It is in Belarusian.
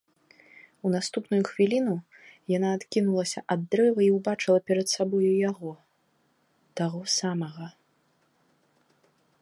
У наступную хвіліну яна адкінулася ад дрэва і ўбачыла перад сабою яго, таго самага.